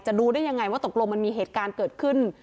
รู้ได้ยังไงว่าตกลงมันมีเหตุการณ์เกิดขึ้น